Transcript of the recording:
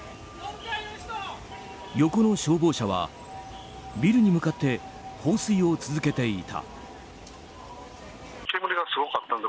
横の消防車はビルに向かって放水を続けていた。